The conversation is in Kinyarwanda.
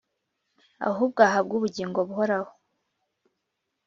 ahubwo ahabwe ubugingo buhoraho.